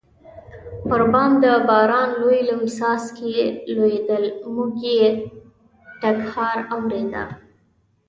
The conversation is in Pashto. پر بام د باران لوی لوی څاڅکي لوېدل، موږ یې ټکهار اورېده.